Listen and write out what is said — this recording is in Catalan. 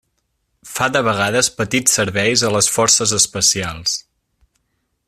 Fa de vegades petits serveis a les Forces Especials.